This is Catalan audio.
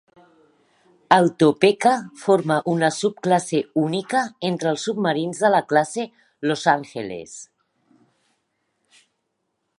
El "Topeka" forma una subclasse única entre els submarins de la classe "Los Angeles".